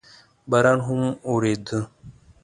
باران هم اورېده.